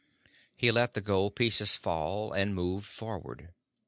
He let the gold pieces fall, and moved forward.